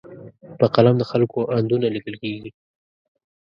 په قلم د خلکو اندونه لیکل کېږي.